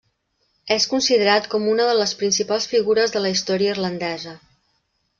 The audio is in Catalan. És considerat com a una de les principals figures de la història irlandesa.